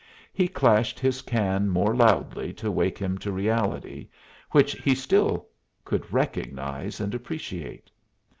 He clashed his can more loudly to wake him to reality, which he still could recognize and appreciate.